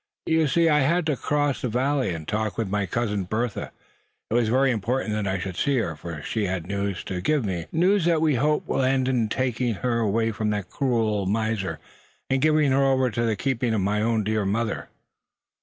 "You see, I had to cross the valley, and talk with my cousin, Bertha. It was very important that I should see her, for she had news to give me, news that we hope will end in taking her away from that cruel old miser, and giving her over to the keeping of my own dear mother."